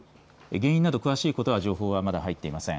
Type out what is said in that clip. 原因など詳しいことは情報はまだ入っていません。